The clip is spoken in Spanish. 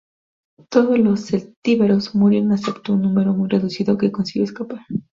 Todos los celtíberos murieron excepto un número muy reducido que consiguió escapar.